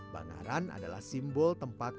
bangaran adalah simbol tempat